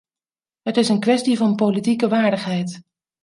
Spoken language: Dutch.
Het is een kwestie van politieke waardigheid.